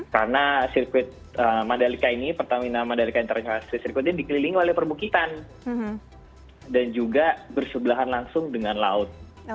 karena pertamina mandalika street circuit ini dikelilingi oleh perbukitan dan juga bersebelahan langsung dengan laut